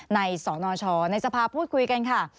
สนชในสภาพูดคุยกันค่ะ